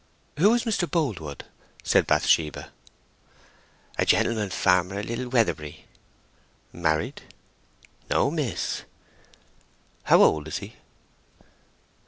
"Who is Mr. Boldwood?" said Bathsheba. "A gentleman farmer at Little Weatherbury." "Married?" "No, miss." "How old is he?"